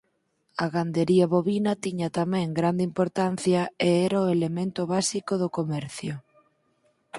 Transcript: A gandería bovina tiña tamén grande importancia e era o elemento básico do comercio.